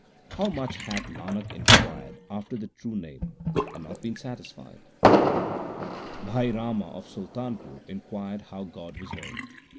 How much hath Nanak inquired after the True Name and not been satisfied \ Bhai Rama of Sultanpur inquired how God was known.